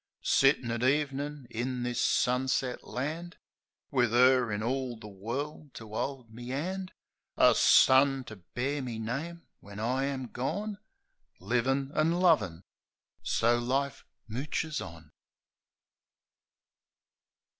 Sittin' at ev'nin' in this sunset land, Wiv 'Er in all the World to 'old me 'and, A son, to bear me name when I am gone. Livin' an' lovin' — so life mooches on.